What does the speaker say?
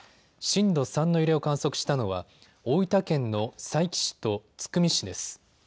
震度３の揺れを観測したのは大分県の佐伯市と津久見市です。